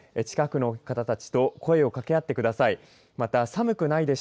近くの方たちと声を掛け合ってください。